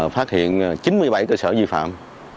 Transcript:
phát hiện chín mươi bảy cơ sở vi phạm